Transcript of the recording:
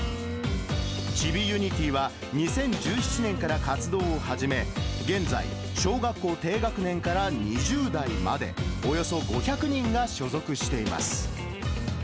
チビユニティーは、２０１７年から活動を始め、現在、小学校低学年から２０代まで、およそ５００人が所属しています。